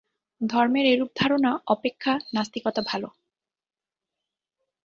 ধর্মের এরূপ ধারণা অপেক্ষা নাস্তিকতা ভাল।